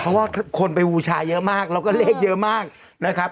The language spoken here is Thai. เพราะว่าคนไปบูชาเยอะมากแล้วก็เลขเยอะมากนะครับ